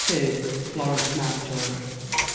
FLORENCE MOUNTJOY. Mr.